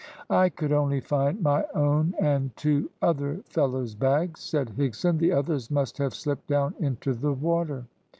"I could only find my own and two other fellows' bags," said Higson. "The others must have slipped down into the water."